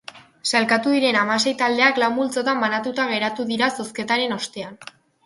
Sailkatu diren hamasei taldeak lau multzotan banatuta geratu dira zozketaren ostean.